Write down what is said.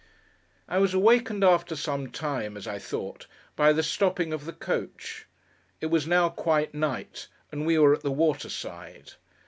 I was awakened after some time (as I thought) by the stopping of the coach. It was now quite night, and we were at the waterside.